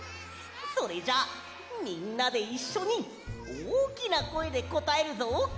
それじゃあみんなでいっしょにおおきなこえでこたえるぞ！